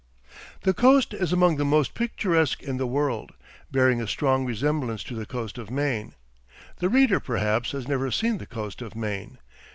The coast is among the most picturesque in the world, bearing a strong resemblance to the coast of Maine. The reader, perhaps, has never seen the coast of Maine.